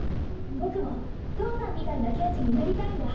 僕も父さんみたいな刑事になりたいん